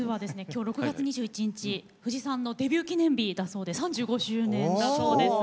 今日６月２１日藤さんのデビュー記念日だそうで３５周年だそうです。